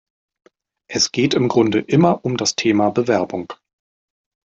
Es geht im Grunde immer um das Thema Bewerbung.